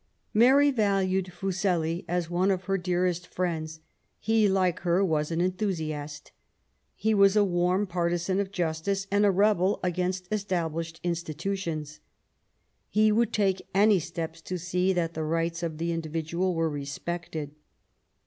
Mary valued Fuseli as one of her dearest friends. He^ like her^ was an enthusiast. He was a warm partisan of justice and a rebel against established insti tutions. He would take any steps to see that the rights of the individual were respected.